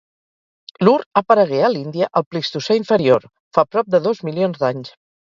L'ur aparegué a l'Índia al Plistocè inferior, fa prop de dos milions d'anys.